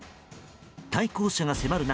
対向車が迫る中